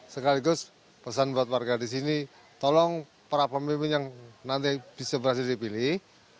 sekaligus pesan buat warga di sini tolong para pemimpin yang nanti bisa berhasil dipilih